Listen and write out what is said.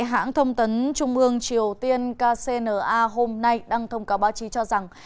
hãng thông tấn trung ương triều tiên kcna hôm nay đăng thông cáo báo chí cho rằng